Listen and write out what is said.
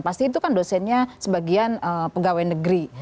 pasti itu kan dosennya sebagian pegawai negeri